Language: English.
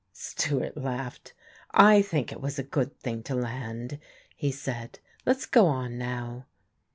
'" Stewart laughed. "I think it was a good thing to land," he said. "Let's go on now."